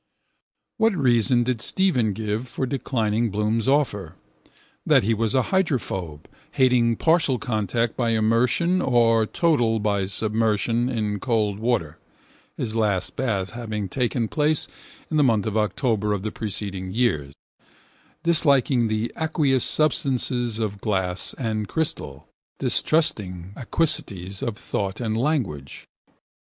What reason did Stephen give for declining Bloom's offer? That he was hydrophobe, hating partial contact by immersion or total by submersion in cold water, (his last bath having taken place in the month of October of the preceding year), disliking the aqueous substances of glass and crystal, distrusting aquacities of thought and language.